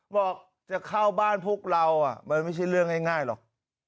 บอกจะเข้าบ้านพวกเรามันไม่ใช่เรื่องง่ายหรอก